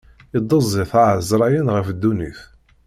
Iddez-it ɛezṛayen ɣef ddunit.